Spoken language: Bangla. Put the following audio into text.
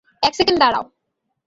এক সেকেন্ড দাঁড়াও!